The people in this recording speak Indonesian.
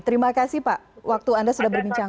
terima kasih pak waktu anda sudah berbincang